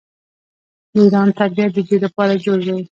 د ایران طبیعت د دې لپاره جوړ دی.